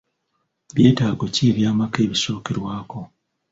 Byetaago ki eby'amaka ebisookerwako?